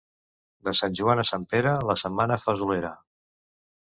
De Sant Joan a Sant Pere, la setmana fesolera.